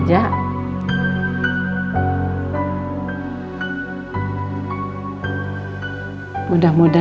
jasanya lu hundred kali